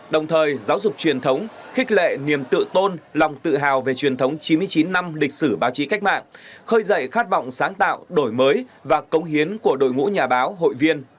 đồng thời giáo dục truyền thống khích lệ niềm tự tôn lòng tự hào về truyền thống chín mươi chín năm lịch sử báo chí cách mạng khơi dậy khát vọng sáng tạo đổi mới và công hiến của đội ngũ nhà báo hội viên